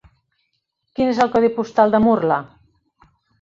Quin és el codi postal de Murla?